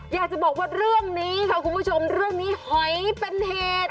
อยากจะบอกว่าเรื่องนี้ค่ะคุณผู้ชมเรื่องนี้หอยเป็นเหตุ